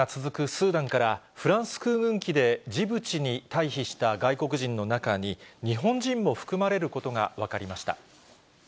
スーダンから、フランス空軍機でジブチに退避した外国人の中に、日本人も含まれることが分かりました。